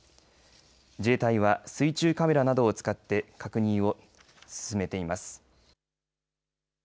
自衛隊は水中カメラなどを使って確認を進めています。